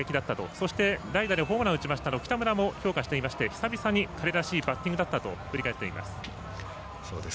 そして、代打でホームランを打ちました北村も評価していまして久々に彼らしいバッティングだったと振り返っています。